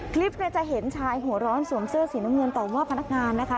คลิปเนี่ยจะเห็นชายหัวร้อนสวมเสื้อสีน้ำเงินต่อว่าพนักงานนะคะ